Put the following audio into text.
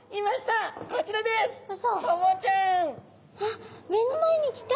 あっ目の前に来た！